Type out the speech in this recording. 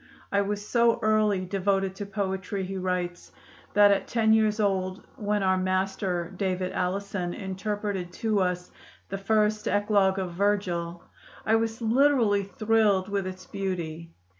"I was so early devoted to poetry," he writes, "that at ten years old, when our master, David Allison, interpreted to us the first Eclogue of Virgil, I was literally thrilled with its beauty.